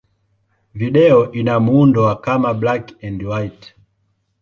Video ina muundo wa kama black-and-white.